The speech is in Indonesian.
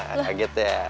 ehh kaget ya